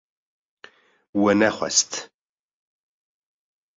We nexwest